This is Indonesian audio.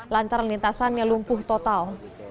lantaran lintasannya lumpuh total